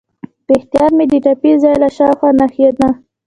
په احتیاط مې د ټپي ځای له شاوخوا ناحیې نه.